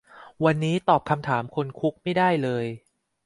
วันนี้ตอบคำถามคนคุกไม่ได้เลย